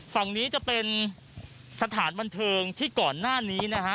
ฝั่งนี้จะเป็นสถานบันเทิงที่ก่อนหน้านี้นะฮะ